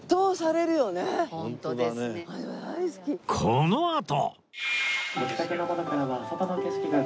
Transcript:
このあと